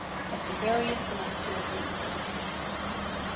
OF THE VARIOUS CELESTIAL REGIONS.